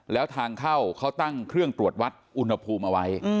แล้วทางเข้าเขาตั้งเครื่องตรวจวัดอุณหภูมิเอาไว้